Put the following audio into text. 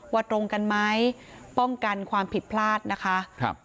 ว่าตรงกันไหมป้องกันความผิดพลาดนะคะ